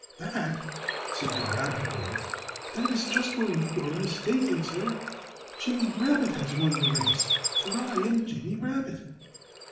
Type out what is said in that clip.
"That," said the Rabbit boy, "that is just where you are mistaken, sir. Jimmy Rabbit has won the race for I am Jimmy Rabbit."